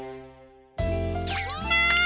みんな！